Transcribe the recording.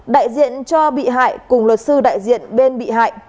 đại diện cho bị hại cùng luật sư đại diện bên bị hại